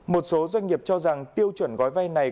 một số doanh nghiệp cho rằng tiêu chuẩn gói vay này